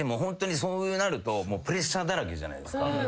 そうなるとプレッシャーだらけじゃないですか。